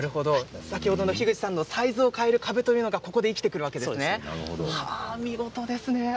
先ほどの樋口さんのサイズを変えるかぶというのがここで生きてくるわけですね。